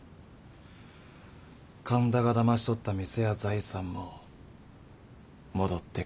神田がだまし取った店や財産も戻ってくるでしょう。